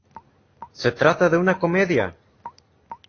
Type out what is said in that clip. Se trata de una comedia.